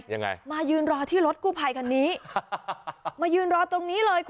ยังไงมายืนรอที่รถกู้ภัยคันนี้มายืนรอตรงนี้เลย